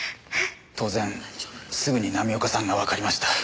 当然すぐに浪岡さんがわかりました。